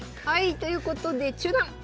ということで中断。